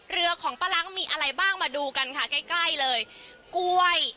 เรือของป้าล้างมีอะไรบ้างมาดูกันค่ะใกล้ใกล้เลยกล้วย